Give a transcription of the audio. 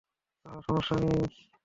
আহ, সমস্যা নেই।